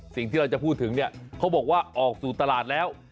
สิ่งที่เราจะพูดถึงเนี่ยเขาบอกว่าออกสู่ตลาดแล้ว